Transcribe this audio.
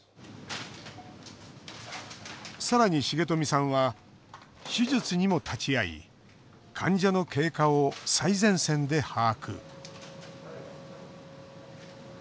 さらに、重冨さんは手術にも立ち会い患者の経過を最前線で把握。